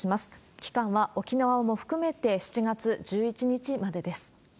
期間は沖縄も含めて７月１１日までです。